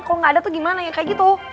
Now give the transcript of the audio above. kok gak ada tuh gimana ya kayak gitu